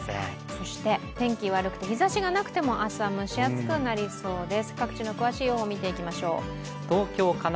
そして天気悪くて日ざしがなくても明日は蒸し暑くなりそうです。